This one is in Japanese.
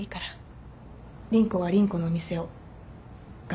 凛子は凛子のお店を頑張って。